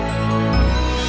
ampun gusti prabu